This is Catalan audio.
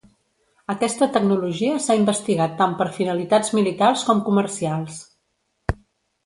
Aquesta tecnologia s'ha investigat tant per finalitats militars com comercials.